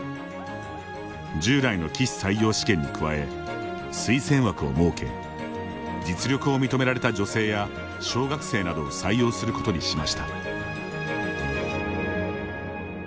従来の棋士採用試験に加え推薦枠を設け実力を認められた女性や小学生などを採用することにしました。